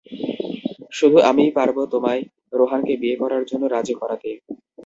শুধু আমিই পারবো তোমায়, রোহানকে বিয়ে করার জন্য রাজি করাতে।